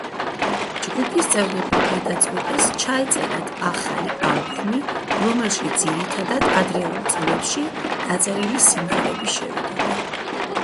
ჯგუფის წევრებმა გადაწყვიტეს ჩაეწერათ ახალი ალბომი, რომელშიც ძირითადად ადრეულ წლებში დაწერილი სიმღერები შევიდოდა.